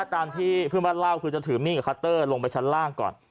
ตามที่เพื่อนบ้านเล่าคือจะถือมีดกับคัตเตอร์ลงไปชั้นล่างก่อน